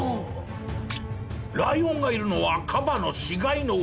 ライオンがいるのはカバの死骸の上。